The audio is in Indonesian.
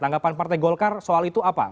tanggapan partai golkar soal itu apa